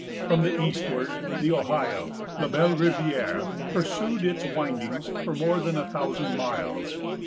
From the eastward, the Ohio——La Belle Rivière——pursued its windings for more than a thousand miles.